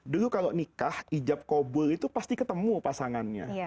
dulu kalau nikah ijab kobul itu pasti ketemu pasangannya